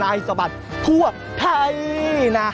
นายสะบัดถั่วไทยนะ